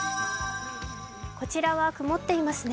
こちらは曇っていますね。